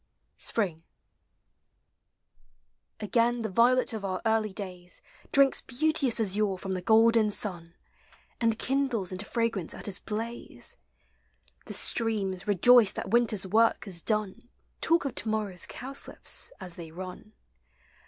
SPRING. Again the violet of our early days Drinks beauteous azure from the golden sun, And kindles into fragrance at his blaze; The streams, rejoiced that winter's work is done, Talk of to morrow's cowslips, as they run.